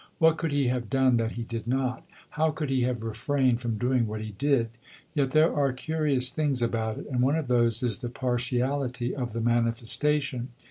What could he have done that he did not? How could he have refrained from doing what he did? Yet there are curious things about it, and one of those is the partiality of the manifestation.